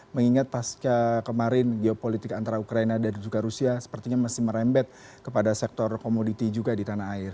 mengingat pasca kemarin geopolitik antara ukraina dan juga rusia sepertinya masih merembet kepada sektor komoditi juga di tanah air